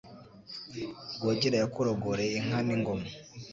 Rwogera yakugororeye inka n'ingoma,